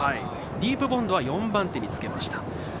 ディープボンドは４番手につきました。